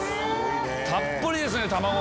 たっぷりですね卵。